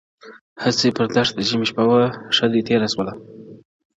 o هسي پر دښت د ژمي شپه وه ښه دى تېره سوله,